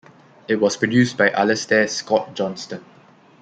It was produced by Alastair Scott Johnston.